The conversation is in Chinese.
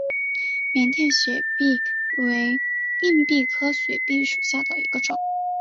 缅甸血蜱为硬蜱科血蜱属下的一个种。